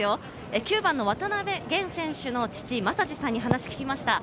９番・渡辺弦選手の父・まさじさんに話を聞きました。